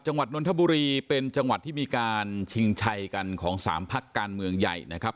นนทบุรีเป็นจังหวัดที่มีการชิงชัยกันของสามพักการเมืองใหญ่นะครับ